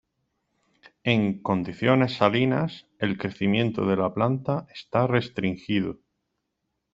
En "condiciones salinas, el crecimiento de la planta está restringido".